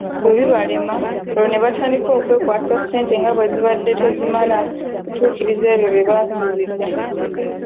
Bwe bibalema olwo nebatandika okwekwasa ssente nga bwezibadde tezimala kutuukiriza ebyo byebaasuubiza,